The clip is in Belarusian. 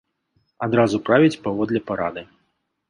Адразу правіць паводле парады.